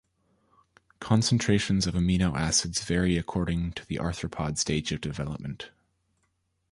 Concentrations of amino acids vary according to the arthropod stage of development.